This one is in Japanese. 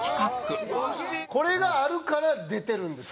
これがあるから出てるんです。